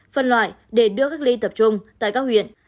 phân loại để đưa cách ly tập trung tại các huyện